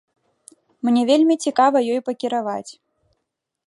Мне вельмі цікава ёй пакіраваць.